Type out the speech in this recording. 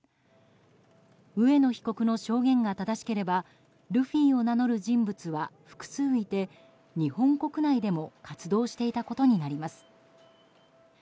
上野被告の証言が正しければルフィを名乗る人物は複数いて日本国内でも活動していたことになります。